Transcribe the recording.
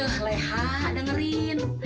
yuk leha dengerin